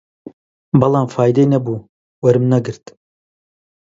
بەڵام فایدەی نەبوو، وەرم نەگرت